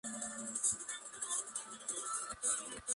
Por ello, se engalanan las calles y se da la bienvenida a los emigrantes.